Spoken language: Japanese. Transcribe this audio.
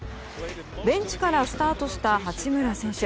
ベンチからスタートした八村選手。